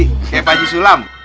kayak pak haji sulam